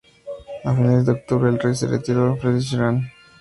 A finales de octubre, el rey se retiró a Friedrichshafen.